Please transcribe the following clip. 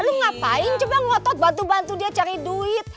lu ngapain coba ngotot bantu bantu dia cari duit